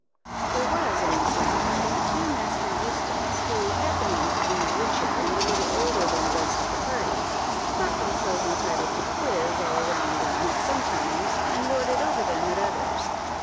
There was in this young party two Master Eustons, who, happening to be richer and a little older than the rest of the party, thought themselves entitled to quiz all around them at some times, and lord it over them at others.